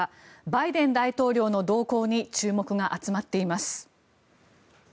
バイデン大統領の動向に注目が集まっています。